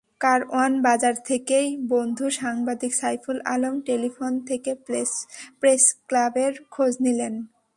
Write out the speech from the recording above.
কারওয়ান বাজার থেকেই বন্ধু সাংবাদিক সাইফুল আলম টেলিফোন করে প্রেসক্লাবের খোঁজ নিলেন।